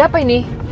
ada apa ini